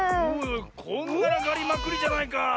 こんがらがりまくりじゃないかあ。